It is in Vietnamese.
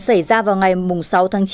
xảy ra vào ngày sáu tháng chín